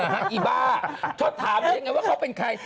มาให้เจ้าถามว่าเขาเป็นใคร